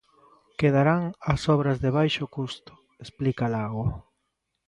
Quedarán as obras de baixo custo..., explica Lago.